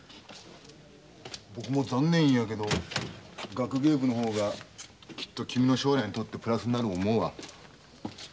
僕も残念やけど学芸部の方がきっと君の将来にとってプラスになる思うわ。